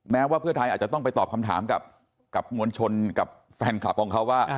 แม้ว่าเพื่อไทยอาจจะต้องไปตอบคำถามกับมวลชนกับแฟนคลับของเขาว่า